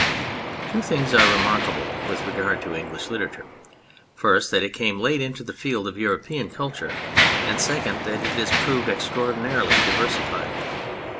Two things are remarkable with regard to English literature, first that it came late into the field of European culture, and secondly that it has proved extraordinarily diversified.